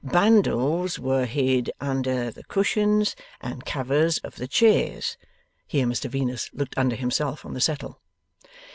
'"Bundles were hid under the cushions and covers of the chairs"'; (Here Mr Venus looked under himself on the settle.)